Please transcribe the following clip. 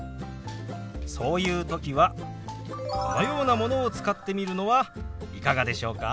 そういう時はこのようなものを使ってみるのはいかがでしょうか。